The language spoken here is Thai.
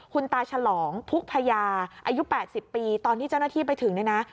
คุณตาฉลองพุกพญาอายุ๘๐ปีตอนที่เจ้าหน้าที่ไปถึงเนี่ยนะ